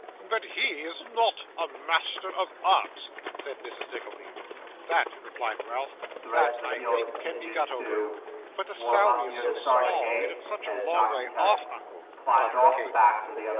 'But he is not a Master of Arts,' said Mrs. Nickleby. 'That,' replied Ralph, 'that, I think, can be got over.' 'But the salary is so small, and it is such a long way off, uncle!' faltered Kate.